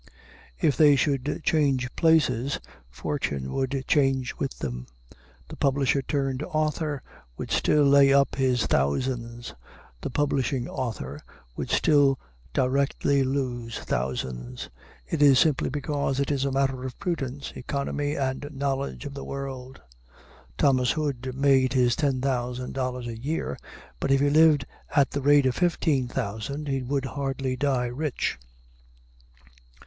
If they should change places, fortune would change with them. The publisher turned author would still lay up his thousands; the publishing author would still directly lose thousands. It is simply because it is a matter of prudence, economy, and knowledge of the world. Thomas Hood made his ten thousand dollars a year, but if he lived at the rate of fifteen thousand he would hardly die rich.